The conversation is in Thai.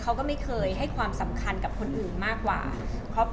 เขาก็ไม่เคยให้ความสำคัญกับคนอื่นมากกว่าครอบครัว